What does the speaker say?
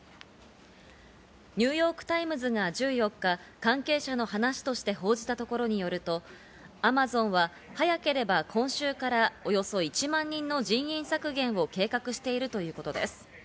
ニューヨーク・タイムズが１４日、関係者の話として報じたところによると、アマゾンは早ければ今週からおよそ１万人の人員削減を計画しているということです。